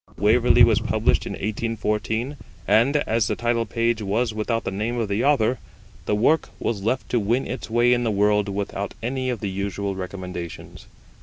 Waverley was published in 1814, and, as the title page was without the name of the Author, the work was left to win its way in the world without any of the usual recommendations.